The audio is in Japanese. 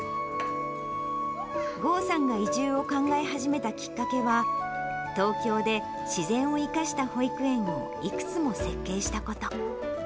豪さんが移住を考え始めたきっかけは、東京で自然を生かした保育園をいくつも設計したこと。